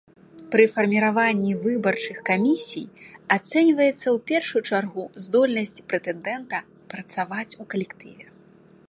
Пры фарміраванні выбарчых камісій ацэньваецца ў першую чаргу здольнасць прэтэндэнта працаваць у калектыве.